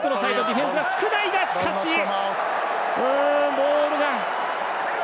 モールが。